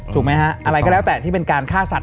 ถูกไหมฮะอะไรก็แล้วแต่ที่เป็นการฆ่าสัตว